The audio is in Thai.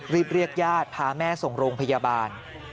รีบเรียกญาติพาแม่ส่งโรงพยาบาล